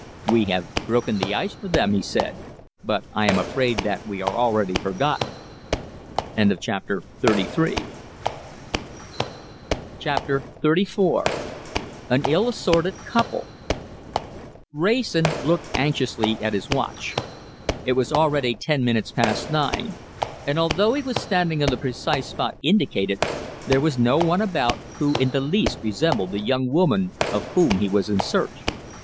"We have broken the ice for them," he said, "but I am afraid that we are already forgotten." CHAPTER XXXIV AN ILL ASSORTED COUPLE Wrayson looked anxiously at his watch. It was already ten minutes past nine, and although he was standing on the precise spot indicated, there was no one about who in the least resembled the young woman of whom he was in search.